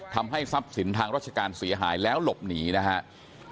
ทำให้ทรัพย์สินทางราชการเสียหายแล้วหลบหนีนะครับ